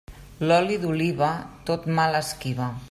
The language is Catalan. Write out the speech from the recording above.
L'oli d'oliva, tot mal esquiva.